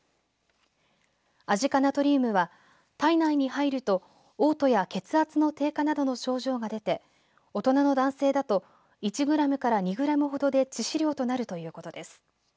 アジ化ナトリウムは体内に入るとおう吐や、血圧の低下などの症状が出て大人の男性だと１グラムから２グラムほどで致死量となるということです。